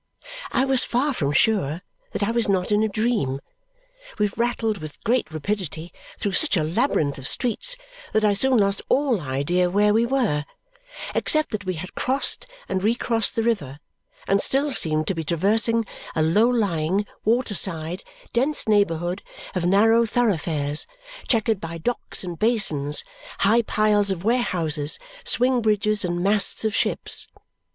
I was far from sure that I was not in a dream. We rattled with great rapidity through such a labyrinth of streets that I soon lost all idea where we were, except that we had crossed and re crossed the river, and still seemed to be traversing a low lying, waterside, dense neighbourhood of narrow thoroughfares chequered by docks and basins, high piles of warehouses, swing bridges, and masts of ships.